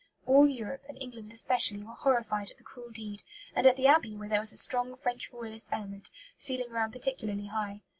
All Europe, and England especially, were horrified at the cruel deed; and at the Abbey, where there was a strong French Royalist element, feeling ran particularly high.